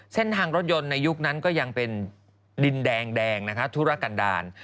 เส้นทางรถยนต์ในยุคนั้นก็ยังเป็นดินแดงนะคะธุรกันดาล